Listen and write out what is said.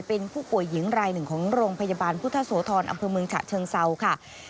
เป็นผู้ป่วยหญิงรายหนึ่งของโรงพยาบาลพุทธโสธรอำเภอเมืองฉะเชิงเซาค่ะ